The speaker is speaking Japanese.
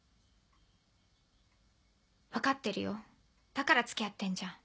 分かってるよだから付き合ってんじゃん。